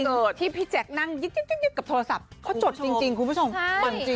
เอาจริงที่พี่แจ็คนั่งกับโทรศัพท์เขาจดจริงคุณผู้ชมมันจริง